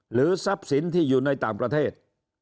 ทรัพย์สินที่อยู่ในต่างประเทศ